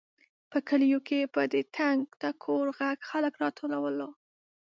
په کلیو کې به د ټنګ ټکور غږ خلک راټولول.